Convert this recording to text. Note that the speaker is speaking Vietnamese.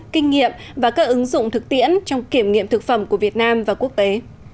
kinh nghiệm và các ứng dụng thực tiễn trong kiểm nghiệm thực phẩm của việt nam và quốc tế